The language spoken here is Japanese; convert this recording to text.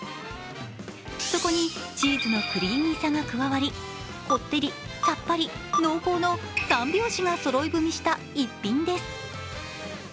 そこにチーズのクリーミーさが加わりこってり、さっぱり、濃厚の三拍子がそろい踏みした一品です。